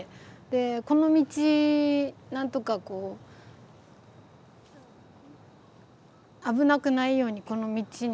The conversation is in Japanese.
でこの道なんとかこう危なくないようにこの道に避難してて。